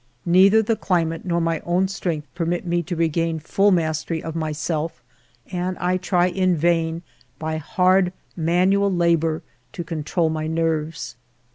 Neither the climate nor my own strength permit me to regain full mastery of myself, and I try in vain by hard manual labor to control my nerves.